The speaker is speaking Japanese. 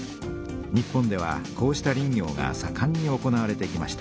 日本ではこうした林業がさかんに行われてきました。